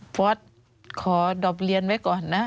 พอสขอดอบเรียนไว้ก่อนนะ